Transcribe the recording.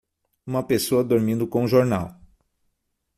Uma pessoa dormindo com um jornal